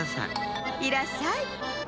いらっしゃい。